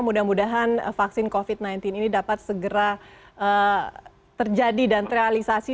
mudah mudahan vaksin covid sembilan belas ini dapat segera terjadi dan terrealisasi